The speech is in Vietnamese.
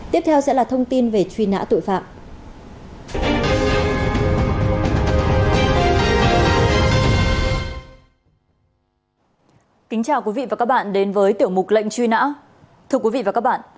tiếp theo sẽ là thông tin về truy nã tội phạm